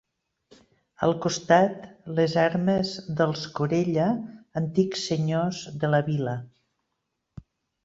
Al costat, les armes dels Corella, antics senyors de la vila.